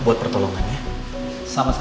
ibu kedai dado saya finden therapists ya